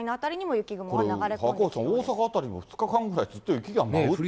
赤星さん、大阪辺りも２日間ぐらいずっと雪が舞うって。